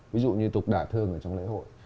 ví dụ như tục đả thương ở trong lễ hội